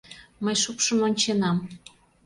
Мый шупшын онченам.